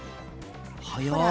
早い。